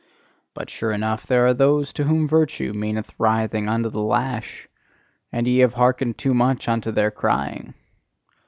But sure enough there are those to whom virtue meaneth writhing under the lash: and ye have hearkened too much unto their crying!